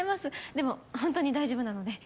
でもほんとに大丈夫なので。